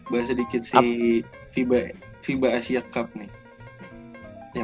bahas sedikit si fiba asia cup nih